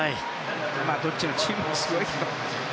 まあ、どっちのチームもすごいけど。